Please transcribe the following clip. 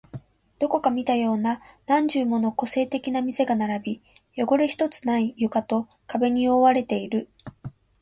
どこかで見たような何十もの個性的な店が並び、汚れ一つない床と壁に覆われている